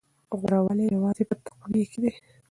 غوره والی یوازې په تقوی کې دی.